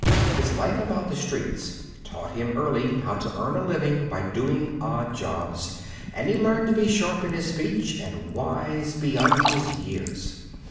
His life about the streets taught him early how to earn a living by doing odd jobs, and he learned to be sharp in his speech and wise beyond his years.